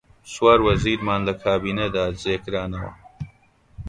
چوار وەزیرمان لە کابینەدا جێ کرانەوە: